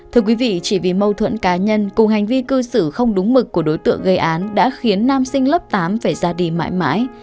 thưa quý vị chỉ vì mâu thuẫn cá nhân cùng hành vi cư xử không đúng mực của đối tượng gây án đã khiến nam sinh lớp tám phải ra đi mãi mãi